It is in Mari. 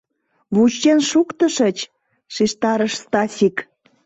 — Вучен шуктышыч! — шижтарыш Стасик.